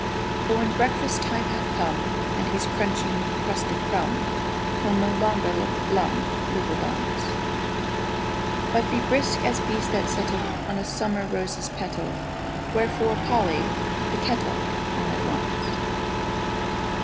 But when breakfast time hath come, And he's crunching crust and crumb, He'll no longer look a glum Little dunce; But be brisk as bees that settle On a summer rose's petal: Wherefore, Polly, put the kettle On at once.